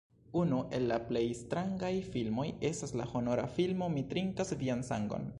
Unu el la plej strangaj filmoj estas la horora filmo "Mi trinkas vian sangon".